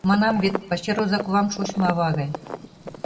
Манам вет, пачер озакувам шочмо ава гай.